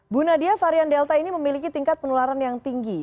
bu nadia varian delta ini memiliki tingkat penularan yang tinggi